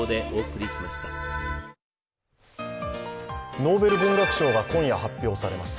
ノーベル文学賞が今夜発表されます。